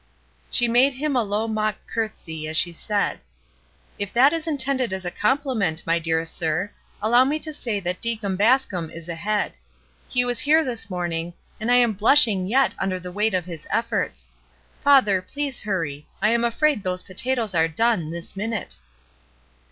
She made him a low mock courtesy as she said: ''If that is intended as a compliment, my dear sir, allow me to say that Deacon Bas com is ahead. He was here this morning, and I am blushing yet under the weight of his efforts. Father, please hurry ! I am afraid those pota toes are done, this minute."